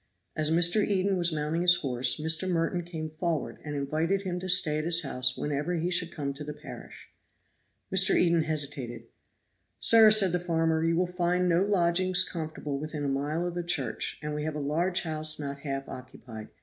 As Mr. Eden was mounting his horse, Mr. Merton came forward and invited him to stay at his house whenever he should come to the parish. Mr. Eden hesitated. "Sir," said the farmer, "you will find no lodgings comfortable within a mile of the church, and we have a large house not half occupied.